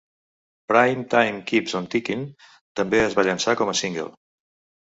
Prime Time Keeps on Tickin també es va llançar com a single.